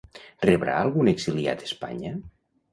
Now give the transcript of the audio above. Rebrà algun exiliat Espanya?